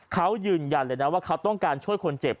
เขายืนยันเลยนะว่าเขาต้องการช่วยคนเจ็บ